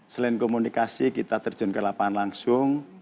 selain komunikasi kita terjun ke lapangan langsung